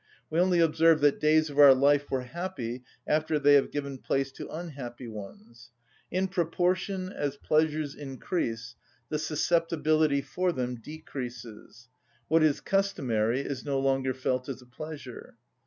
We only observe that days of our life were happy after they have given place to unhappy ones. In proportion as pleasures increase, the susceptibility for them decreases: what is customary is no longer felt as a pleasure.